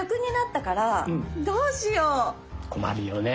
困るよね。